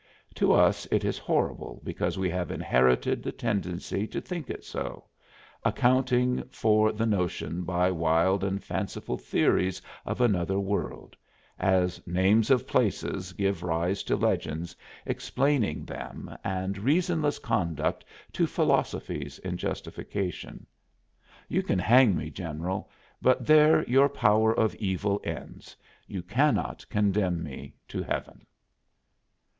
To us it is horrible because we have inherited the tendency to think it so, accounting for the notion by wild and fanciful theories of another world as names of places give rise to legends explaining them and reasonless conduct to philosophies in justification. You can hang me, General, but there your power of evil ends; you cannot condemn me to heaven."